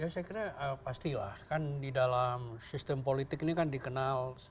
saya kira pastilah kan di dalam sistem politik ini kan dikenal